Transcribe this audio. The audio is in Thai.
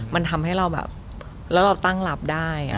มันทำให้เราแบบแล้วเราตั้งรับได้